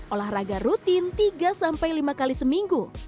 olahraga rutin tiga sampai lima kali seminggu